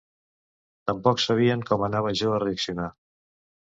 Tampoc sabien com anava jo a reaccionar.